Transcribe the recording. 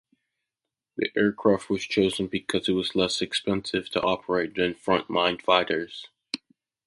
This aircraft was chosen because it was less expensive to operate than front-line fighters.